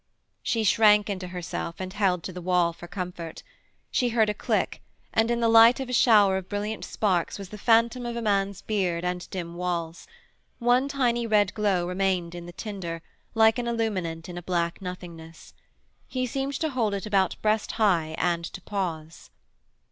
She shrank into herself, and held to the wall for comfort. She heard a click, and in the light of a shower of brilliant sparks was the phantom of a man's beard and dim walls; one tiny red glow remained in the tinder, like an illuminant in a black nothingness. He seemed to hold it about breast high and to pause.